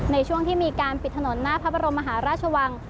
ในช่วงที่มีการปิดถนนหน้าพระบรมมหาราชวัง